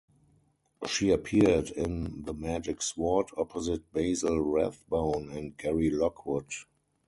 She appeared in The Magic Sword opposite Basil Rathbone and Gary Lockwood.